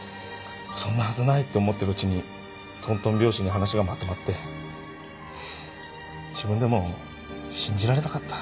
そんなはずないって思ってるうちにとんとん拍子に話がまとまって自分でも信じられなかった。